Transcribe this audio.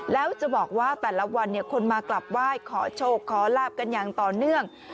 แล้วจะบอกว่าแต่ละวันคนมากลับไหว้ขอโชคขอลาบกันอย่างต่อเนื่อง